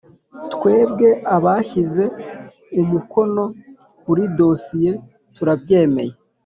Twebwe abashyize umukono kuri dosiye turabyemeye